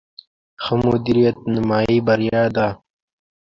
ښه مدیریت، نیمایي بریا ده